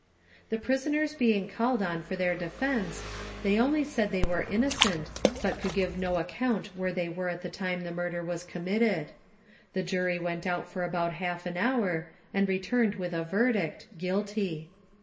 The prisoners being called on for their defence, they only said they were innocent, but could give no account where they were at the time the murder was committed. The jury went out for about half an hour, and returned with a verdict Guilty.